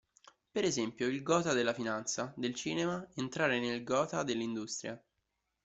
Per esempio: il "gotha" della finanza, del cinema; entrare nel "gotha" dell'industria.